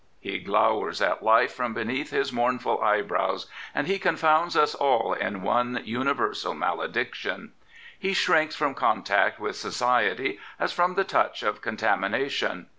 He glowers at life from beneath his mournful eyebrows, and he confounds us all in one universal mal^iction. He shrinks from contact with Society as from the touch of contamination.